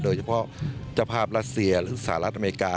เฉพาะเจ้าภาพรัสเซียหรือสหรัฐอเมริกา